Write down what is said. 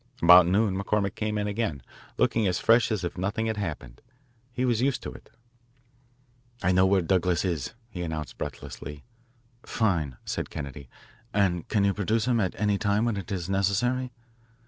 About noon McCormick came in again, looking as fresh as if nothing had happened. He was used to it. "I know where Douglas is," he announced breathlessly. "Fine," said Kennedy, "and can you produce him at any time when it is necessary?"